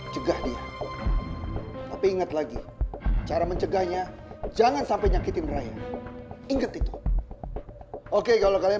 cegah dia tapi ingat lagi cara mencegahnya jangan sampai nyakitin raya inget itu oke kalau kalian